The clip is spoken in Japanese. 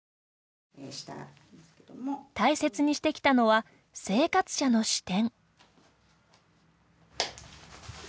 大切にしてきたのは生活者の視点。